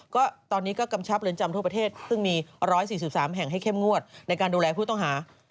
ก็ตอนนี้ก็กำชับเรือนจำทั่วประเทศซึ่งมี๑๔๓แห่งให้เข้มงวดในการดูแลผู้ต้องหา